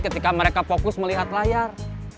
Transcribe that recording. ketika mereka fokus melihat layar